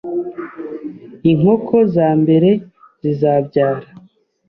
inkoko za mbere zizabyara